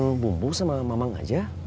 mau bumbu sama mamang aja